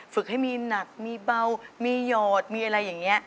ฝึกให้มีหนักมีเบามีหยอดมีอะไรอย่างนี้